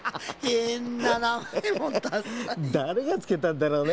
だれがつけたんだろうね。